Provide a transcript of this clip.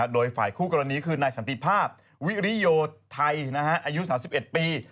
โดยฝ่ายคู่กรณีคือนายสันติภาพวิริโยไทยอายุ๓๑ปี